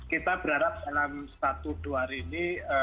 kita berharap dalam satu dua hari ini